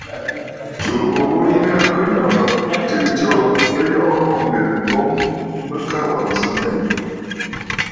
Tsuu mɨghurə mya kɨ nɔ̀rə̀, tsiʼì tsǒ bɨ yɔʼɔ mûŋgen, boŋ mɨ ka wàŋsə mmɛ̀.